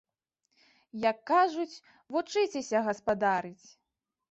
Як кажуць, вучыцеся гаспадарыць!